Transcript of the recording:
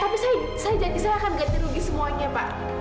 tapi saya jadi saya akan ganti rugi semuanya pak